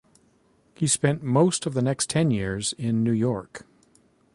He spent most of the next ten years in New York.